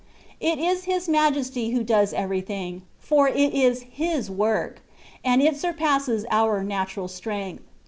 It is His Majesty who does everything, for it is His work, and it sur passes our natural strength.